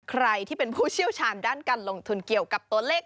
ใครที่เป็นผู้เชี่ยวชาญด้านการลงทุนเกี่ยวกับตัวเลข